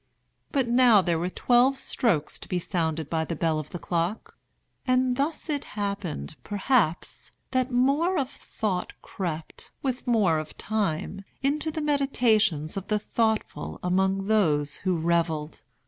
But now there were twelve strokes to be sounded by the bell of the clock; and thus it happened, perhaps, that more of thought crept, with more of time, into the meditations of the thoughtful among those who revelled.